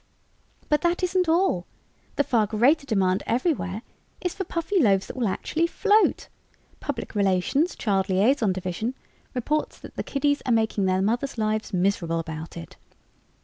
"But that isn't all! The far greater demand everywhere is for Puffyloaves that will actually float. Public Relations, Child Liaison Division, reports that the kiddies are making their mothers' lives miserable about it.